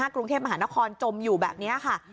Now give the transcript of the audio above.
กรุงเทพมหานครจมอยู่แบบนี้ค่ะ